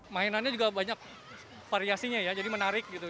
mainannya juga banyak variasinya ya jadi menarik gitu